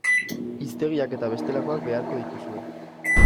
Hiztegiak eta bestelakoak beharko dituzue.